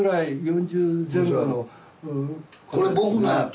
「これ僕のや」と。